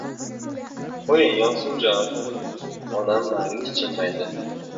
— Qo‘ying, ovsinjon, — onam ma’yus jilmaydi.